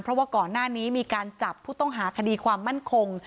เพราะว่าก่อนหน้านี้มีการจับผู้ต้องหาคดีความมั่นคง